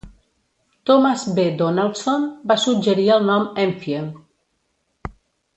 Thomas B. Donaldson va suggerir el nom Enfield.